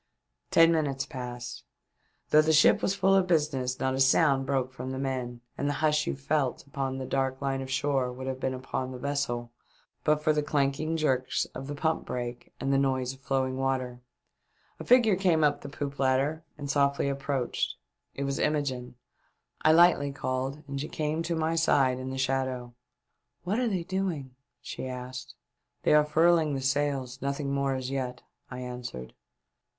Ten minutes passed. Though the ship was full of business, not a sound broke from the men, and the hush you felt upon the dark line of shore would have been upon the vessel but for the clanking jerks of the pump brake and the noise of flowing water, A figure came up the poop ladder and softly approached. It was Imogene. I lightly called and she came to my side in the shadow. " What are they doing ?" she asked. " They are furling the sails ; nothing more as yet," I answered.